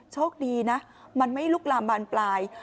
โชคดีนะมันไม่ลุกลามบานปลาย